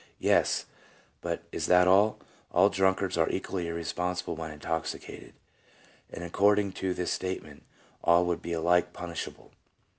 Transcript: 1 Yes, but is that all ? All drunkards are equally irrespon sible when intoxicated, and according to this state ment all would be alike punishable.